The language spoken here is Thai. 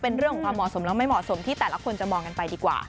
เป็นเรื่องของความเหมาะสมแล้วไม่เหมาะสมที่แต่ละคนจะมองกันไปดีกว่า